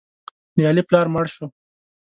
د علي پلار مړ شو.